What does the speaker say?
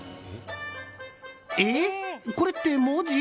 えっ、これって文字？